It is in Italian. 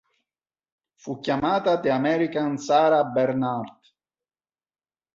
Fu chiamata "The American Sarah Bernhardt".